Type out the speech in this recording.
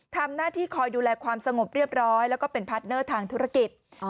ทำหน้าที่คอยดูแลความสงบเรียบร้อยแล้วก็เป็นพาร์ทเนอร์ทางธุรกิจ